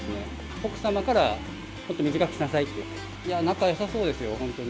奥様から、もっと短くしなさいって、仲よさそうですよ、本当に。